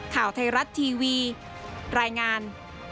ข่าวไทยรัฐทีวีรายงาน